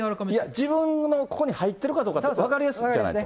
自分のここに入っているかどうか、分かりやすいじゃないです